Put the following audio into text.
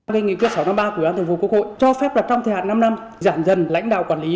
nghị quyết sáu năm ba của ubnd cho phép trong thời hạn năm năm giảm dần lãnh đạo quản lý